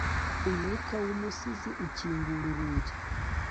Umwuka wumusizi ukingura urugi